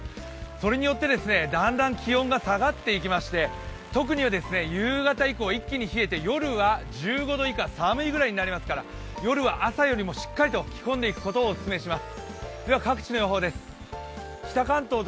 それによってだんだん気温が下がっていきまして、特に夕方以降、一気に増えて夜は１５度以下、寒いぐらいになりますから夜は朝よりもしっかりと着込んでいくことをお勧めします。